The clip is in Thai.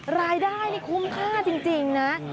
รายได้นี่คุ้มค่าจริงนะ